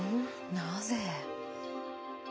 なぜ？